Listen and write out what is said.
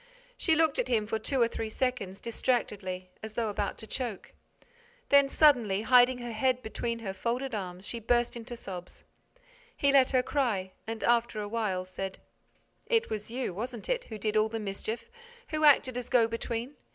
She looked at him for two or three seconds, distractedly, as though about to choke. Then, suddenly hiding her head between her folded arms, she burst into sobs. He let her cry and, after a while, said: "It was you, wasn't it, who did all the mischief, who acted as go between?